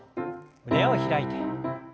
胸を開いて。